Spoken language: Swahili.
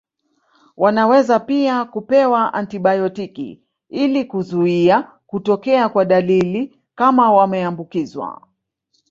Wanaweza pia kupewa antibayotiki ili kuzuia kutokea kwa dalili kama wameambukizwa